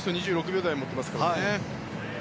２６秒台を持っていますからね。